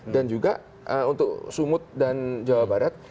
dan juga untuk sumut dan jawa barat